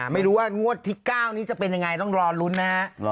ไม่รู้ว่างวดที่๙นี้จะเป็นยังไงต้องรอลุ้นนะฮะ